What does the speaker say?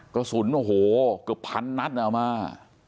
ก็สุดโอ้โหก็พันนัดอ่ะมา